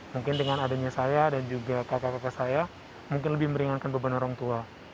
mungkin dengan adanya saya dan juga kakak kakak saya mungkin lebih meringankan beban orang tua